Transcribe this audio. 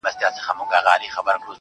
ځوان ژاړي سلگۍ وهي خبري کوي.